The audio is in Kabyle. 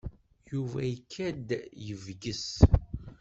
Yuba ikad-d yebges.